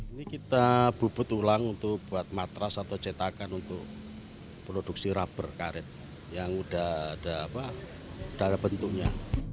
ini kita bubut ulang untuk buat matras atau cetakan untuk produksi rubber karet yang udah ada bentuknya